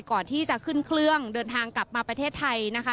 ก่อนที่จะขึ้นเครื่องเดินทางกลับมาประเทศไทยนะคะ